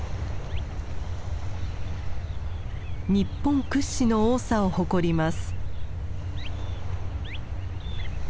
日本屈指の多さを誇ります。